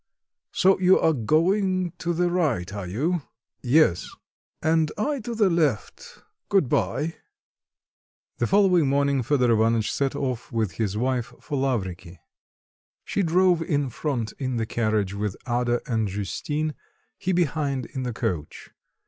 So you're going to the right, are you?" "Yes." "And I go to the left. Good bye." The following morning Fedor Ivanitch set off with his wife for Lavriky. She drove in front in the carriage with Ada and Justine; he behind, in the coach.